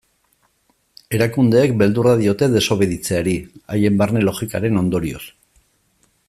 Erakundeek beldurra diote desobeditzeari, haien barne logikaren ondorioz.